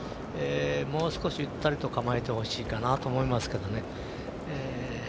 もう少し、ゆったりと構えてほしいかなと思いますけどね